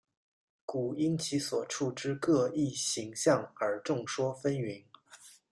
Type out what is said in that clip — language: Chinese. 故因其所处之各异形象而众说纷纭。